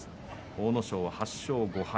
阿武咲８勝５敗。